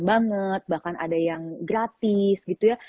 banget bahkan ada yang gratis gitu ya